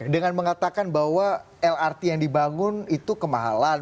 dengan mengatakan bahwa lrt yang dibangun itu kemahalan